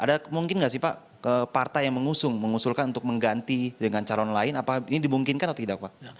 ada mungkin nggak sih pak partai yang mengusulkan untuk mengganti dengan calon lain ini dimungkinkan atau tidak pak